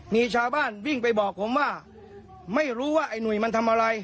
มีชาวบ้านวิ่งไปบอกผมว่าไม่รู้ว่าไอ้หนุ่ยมันทำอะไร